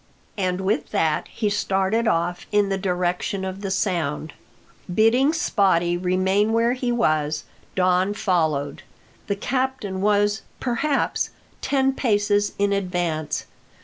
And with that he started off in the direction of the sound. Bidding Spottie remain where he was, Don followed. The captain was, perhaps, ten paces in advance.